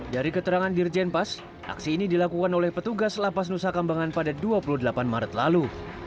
dari keterangan dirjen pas aksi ini dilakukan oleh petugas lapas nusa kambangan pada dua puluh delapan maret lalu